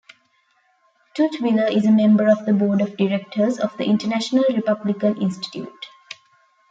Tutwiler is a member of the board of directors of the International Republican Institute.